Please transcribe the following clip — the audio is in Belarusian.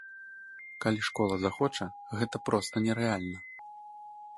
Калі школа захоча, гэта проста нерэальна.